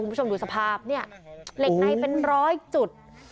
คุณผู้ชมดูสภาพเนี่ยเหล็กในเป็นร้อยจุด